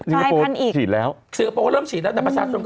สิงคโปร์เริ่มฉีดแล้วแต่ประชาชนมก็ยัง